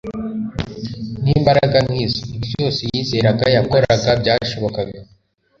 n'imbaraga nkizo. ibintu byose yizeraga, yakoraga, byashobokaga